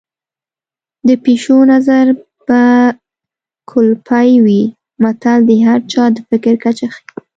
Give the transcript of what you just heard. د پيشو نظر به کولپۍ وي متل د هر چا د فکر کچه ښيي